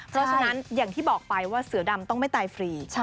เพราะฉะนั้นอย่างที่บอกไปว่าเสือดำต้องไม่ตายฟรี